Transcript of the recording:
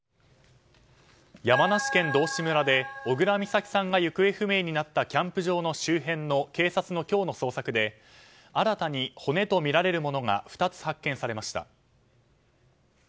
山梨県道志村で小倉美咲さんが行方不明になったキャンプ場の周辺の警察の今日の捜索で新たに、骨とみられるものが２つ発見されました。